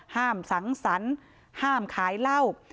ห้ามสังสรรห้ามขายเหล้า